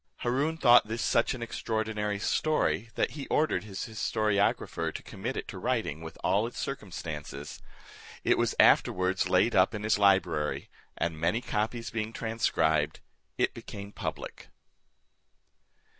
Haroon thought this such an extraordinary story, that he ordered his historiographer to commit it to writing with all its circumstances. It was afterwards laid up in his library, and many copies being transcribed, it became public.